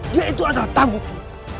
dia itu adalah tamu ku